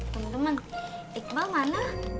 teman teman iqbal mana